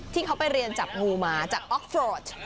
ที่เขาไปเรียนจับงูมาจากออกโฟช